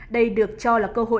đây được cho là cơ hội